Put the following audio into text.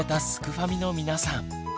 ファミの皆さん